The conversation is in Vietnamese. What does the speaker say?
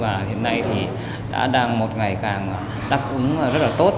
và hiện nay thì đã đang một ngày càng đáp ứng rất là tốt